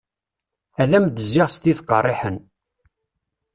Ad m-d-zziɣ s tid qerriḥen.